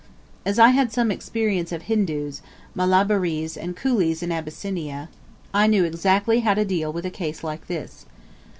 As I had had some experience of Hindoos, Malabarese, and coolies in Abyssinia, I knew exactly how to deal with a case like this.